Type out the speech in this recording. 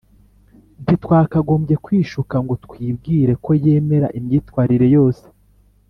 Ntitwakagombye kwishuka ngo twibwire ko yemera imyitwarire yose